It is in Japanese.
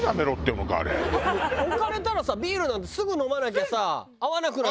置かれたらさビールなんてすぐ飲まなきゃさ泡なくなってさ。